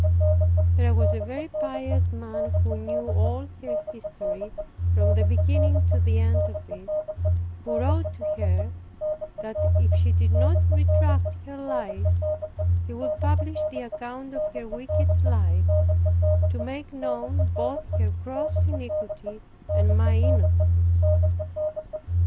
There was a very pious man who knew all her history, from the beginning to the end of it, who wrote to her, that if she did not retract her lies, he would publish the account of her wicked life, to make known both her gross iniquity and my innocence.